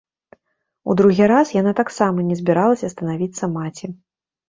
У другі раз яна таксама не збіралася станавіцца маці.